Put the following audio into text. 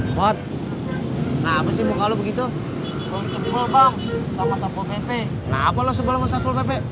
mod apa sih muka lo begitu lo sebel bang sama sapul pepe kenapa lo sebel sama sapul pepe